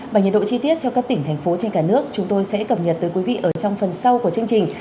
và nhiệt độ chi tiết cho các tỉnh thành phố trên cả nước chúng tôi sẽ cập nhật tới quý vị ở trong phần sau của chương trình